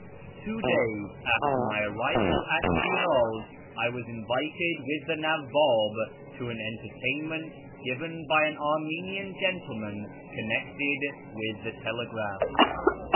Two days after my arrival at Shi'raz I was invited with the Nawwiib to an entertainment given by an Armenian gentleman connected with the telegraph.